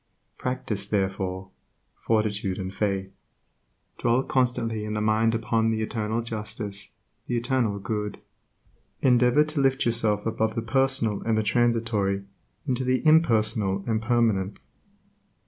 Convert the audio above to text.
Practice, therefore, fortitude and faith. Dwell constantly in mind upon the Eternal justice, the Eternal Good. Endeavor to lift yourself above the personal and the transitory into the impersonal and permanent.